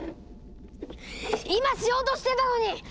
今しようとしてたのに！